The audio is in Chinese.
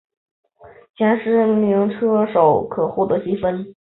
前十名车手可获得积分。